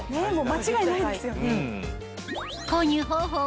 間違いないですよね。